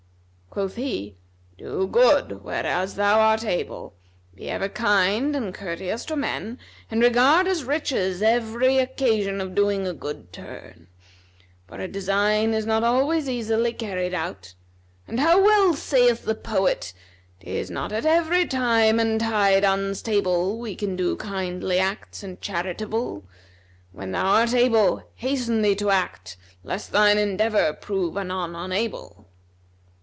Quoth he, "Do good whereas thou art able; be ever kind and courteous to men and regard as riches every occasion of doing a good turn; for a design is not always easily carried out; and how well saith the poet, "Tis not at every time and tide unstable, * We can do kindly acts and charitable: When thou art able hasten thee to act, * Lest thine endeavour prove anon unable!'"